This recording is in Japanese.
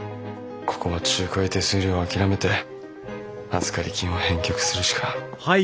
ここは仲介手数料を諦めて預かり金を返却するしか。